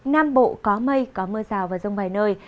nam bộ có mây có mưa rào và rông vài nơi